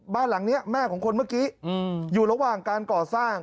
บ้านหลังนี้แม่ของคนเมื่อกี้อยู่ระหว่างการก่อสร้าง